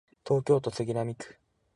東京都杉並区